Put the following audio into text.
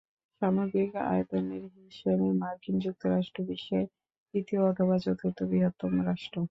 সামগ্রিক আয়তনের হিসেবে মার্কিন যুক্তরাষ্ট্র বিশ্বের তৃতীয় অথবা চতুর্থ বৃহত্তম রাষ্ট্র।